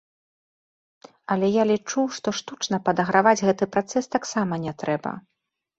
Але я лічу, што штучна падаграваць гэты працэс таксама не трэба.